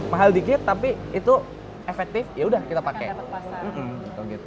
mahal dikit tapi itu efektif yaudah kita pakai